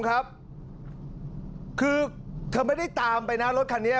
คือเธอไม่ได้ตามไปนะรถคันนี้